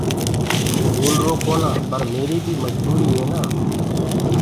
ڀوُلروَ ڪونآ پر ميريٚ بيٚ مجبوريٚ هي نآ